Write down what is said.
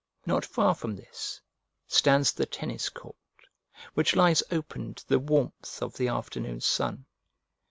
Not far from this stands the tennis court, which lies open to the warmth of the afternoon sun.